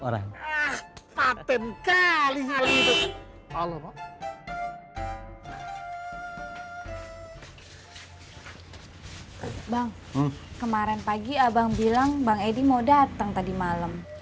orang ah mateng kali ngalir allah bang kemarin pagi abang bilang bang edi mau datang tadi malam